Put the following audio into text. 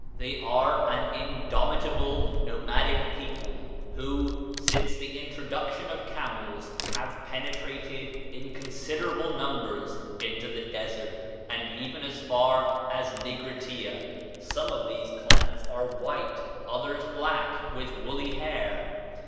They are an indomitable, nomadic people, who, since the introduction of camels, have penetrated in considerable numbers into the Desert, and even as far as Nigritia.... Some of these clans are white, others black, with woolly hair."